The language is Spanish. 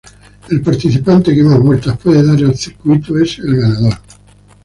El participante que más vueltas pueda dar al circuito es el ganador.